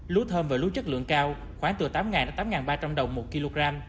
lúa thơm và lúa chất lượng cao khoảng từ tám đến tám ba trăm linh đồng một kg